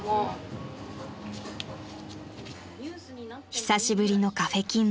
［久しぶりのカフェ勤務］